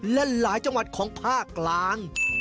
และหลายจังหวัดของภาคกลาง